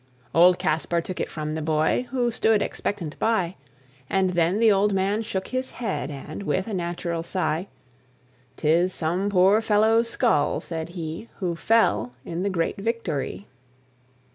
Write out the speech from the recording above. Old Kaspar took it from the boy, Who stood expectant by; And then the old man shook his head, And, with a natural sigh, "'Tis some poor fellow's skull," said he, "Who fell in the great victory!